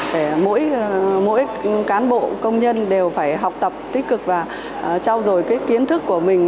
để mỗi cán bộ công nhân đều phải học tập tích cực và trao dồi cái kiến thức của mình